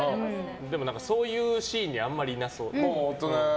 でも、そういうシーンにあんまりいなそう。